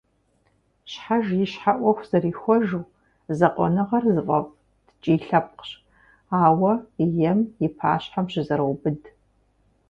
Щхьэж и щхьэ Ӏуэху зэрихуэжу, закъуэныгъэр зыфӀэфӀ ткӀий лъэпкъщ, ауэ ем и пащхьэм щызэроубыд.